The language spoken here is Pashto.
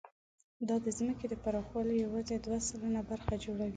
دا د ځمکې د پراخوالي یواځې دوه سلنه برخه جوړوي.